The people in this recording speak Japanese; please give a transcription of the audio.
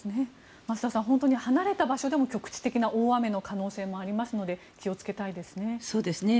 本当に離れた場所でも局地的な大雨の可能性がありますので気をつけたいですね。